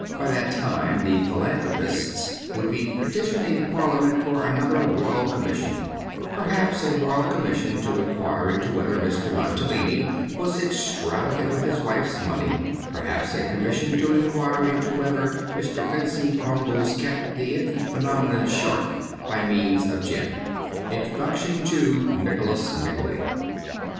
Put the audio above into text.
By that time the philanthropists would be petitioning Parliament for another Royal Com mission ; perhaps a Royal Commission to inquire into whether Mr. Mantalini was extravagant with his wife's money ; perhaps a commission to inquire into whether Mr. Vincent Crummies kept the Infant Phenomenon short by means of gin. Introduction to ^Nicholas Nickleby.'